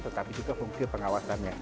tetapi juga fungsi pengawasannya